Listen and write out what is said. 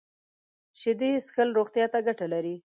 شیدې څښل روغتیا ته ګټه لري